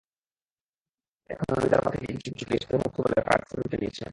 এখনো রিজার্ভার থেকে কিছু কিছু গ্যাস বের হচ্ছে বলে ফায়ার সার্ভিস জানিয়েছে।